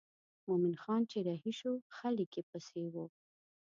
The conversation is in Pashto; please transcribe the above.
مومن خان چې رهي شو خلک یې پسې وو.